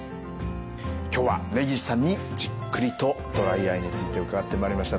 今日は根岸さんにじっくりとドライアイについて伺ってまいりました。